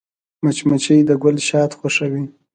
مچمچۍ د ګل شات خوښوي